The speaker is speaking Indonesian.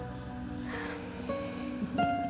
bukan saya yang bantuin